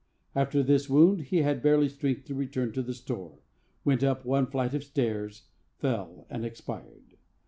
After this wound he had barely strength to return to the store, went up one flight of stairs, fell and expired.